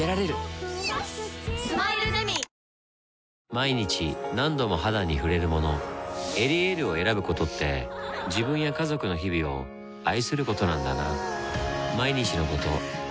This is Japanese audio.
毎日何度も肌に触れるもの「エリエール」を選ぶことって自分や家族の日々を愛することなんだなぁ